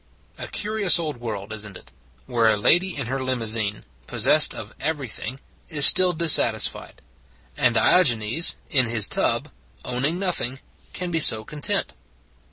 A curious old world, is n t it, where a lady in her limousine, possessed of every thing, is still dissatisfied: and Diogenes in his tub, owning nothing, can be so content?